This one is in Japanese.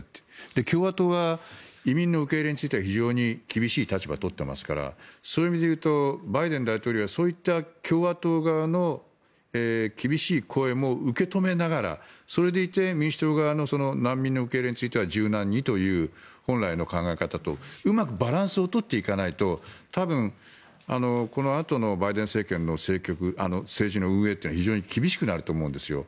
共和党は移民の受け入れについては非常に厳しい立場を取っていますからバイデン大統領はそういった共和党側の厳しい声も受け止めながらそれでいて、民主党側の難民の受け入れについては柔軟にという本来の考え方とうまくバランスを取っていかないと多分、このあとのバイデン政権の政治の運営というのは非常に厳しくなると思うんですよ。